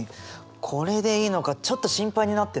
これでいいのかちょっと心配になってね。